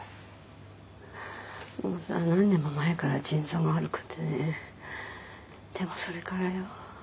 もうさ何年も前から腎臓が悪くてねでもそれからよ。